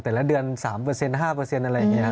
แต่ละเดือน๓เปอร์เซ็นต์๕เปอร์เซ็นต์อะไรอย่างนี้ครับ